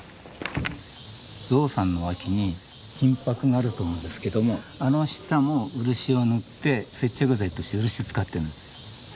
ゾウさんの脇に金ぱくがあると思うんですけどもあの下も漆を塗って接着剤として漆使ってるんですよ。